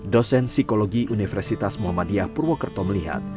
dosen psikologi universitas muhammadiyah purwokerto melihat